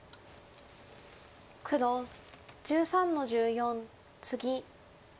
黒１３の十四ツギ。